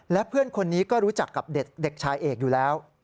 และเพื่อนคนนี้ก็รู้จักกับเด็กชายเอกอยู่แล้ว